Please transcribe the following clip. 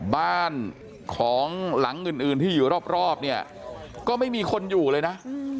บ้านของหลังอื่นที่อยู่รอบเนี่ยก็ไม่มีคนอยู่เลยนะ